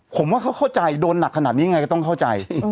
ผมว่าเขาเข้าใจโดนหนักขนาดนี้ไงก็ต้องเข้าใจ